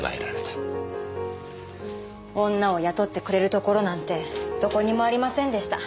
女を雇ってくれるところなんてどこにもありませんでした。